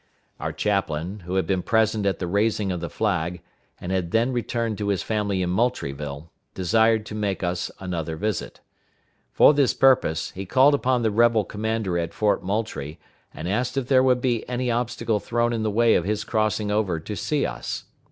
Our chaplain, who had been present at the raising of the flag, and had then returned to his family in Moultrieville, desired to make us another visit. For this purpose, he called upon the rebel commander at Fort Moultrie, and asked if there would be any obstacle thrown in the way of his crossing over to see us.